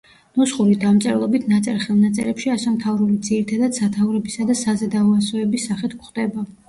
ნუსხური დამწერლობით ნაწერ ხელნაწერებში ასომთავრული ძირითადად სათაურებისა და საზედაო ასოების სახით გვხვდება.